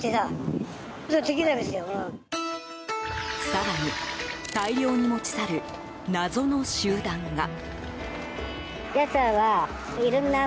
更に大量に持ち去る謎の集団が。